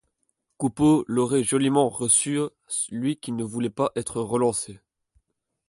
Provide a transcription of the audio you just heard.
Coupeau l'aurait joliment reçue, lui qui ne voulait pas être relancé !